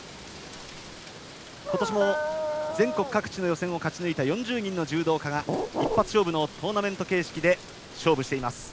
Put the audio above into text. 今年も全国各地の予選を勝ち抜いた４０人の柔道家が一発勝負のトーナメント形式で勝負しています。